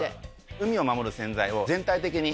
海をまもる洗剤を全体的に。